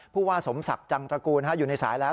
ผู้ว่าสมศักดิ์จังตระกูลอยู่ในสายแล้ว